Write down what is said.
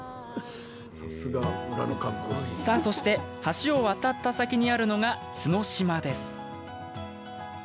さあ、そして橋を渡った先にあるのが角島です。